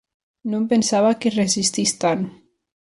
No em pensava que resistís tant.